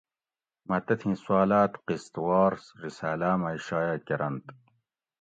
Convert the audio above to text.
مہ تتھیں سوالاۤت قسط وار رساۤلاۤ مئ شایٔع کۤرنت